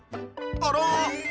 あら？